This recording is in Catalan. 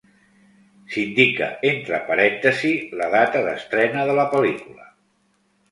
S’indica entre parèntesis la data d’estrena de la pel·lícula.